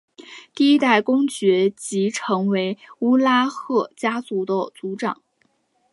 第一代公爵即成为乌拉赫家族的族长。